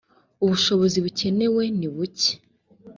ubushobozi bukenewenibuke.